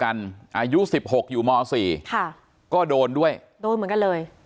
อายุสิบหกอยู่ม๔ค่ะก็โดนด้วยโดนเหมือนกันเลย